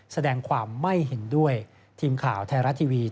ซึ่งกลางปีนี้ผลการประเมินการทำงานขององค์การมหาชนปี๒ประสิทธิภาพสูงสุด